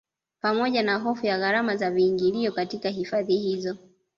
Pamoja na hofu ya gharama za viingilio katika hifadhi hizo